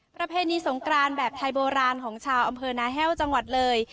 ประเพณีสงกรานแบบไทยโบราณของชาวอำเภอนาแห้วจังหวัดเลย